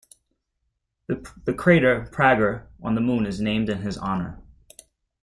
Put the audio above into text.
The crater Prager on the Moon is named in his honor.